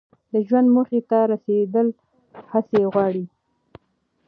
د ژوند موخې ته رسیدل هڅې غواړي.